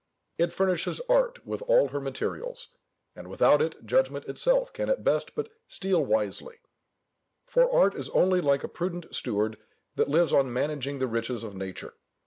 It furnishes art with all her materials, and without it judgment itself can at best but "steal wisely:" for art is only like a prudent steward that lives on managing the riches of nature.